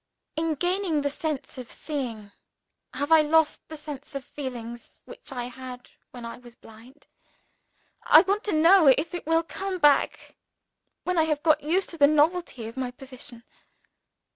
In gaining the sense of seeing, have I lost the sense of feeling which I had when I was blind? I want to know if it will come back when I have got used to the novelty of my position?